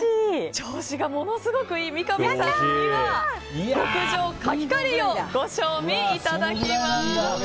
調子がものすごくいい三上さんには極上かきカリーをご賞味いただきます。